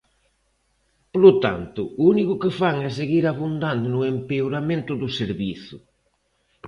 Polo tanto, o único que fan é seguir abondando no empeoramento do servizo.